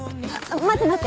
待って待って。